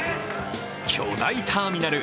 巨大ターミナル